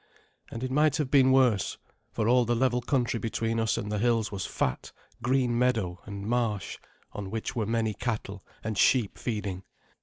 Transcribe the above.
And it might have been worse; for all the level country between us and the hills was fat, green meadow and marsh, on which were many cattle and sheep feeding.